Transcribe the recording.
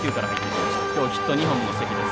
きょうヒット２本の関です。